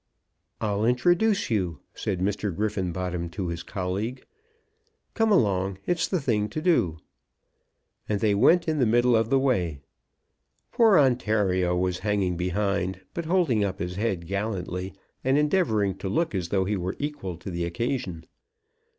"I'll introduce you," said Mr. Griffenbottom to his colleague. "Come along. It's the thing to do." Then they met in the middle of the way. Poor Ontario was hanging behind, but holding up his head gallantly, and endeavouring to look as though he were equal to the occasion.